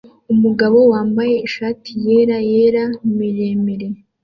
Umugabo wambaye ishati yera yera miremire